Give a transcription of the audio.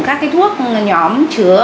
các cái thuốc nhóm chứa